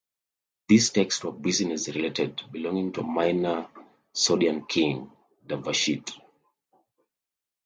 These texts were business related, belonging to a minor Sogdian king, Divashtich.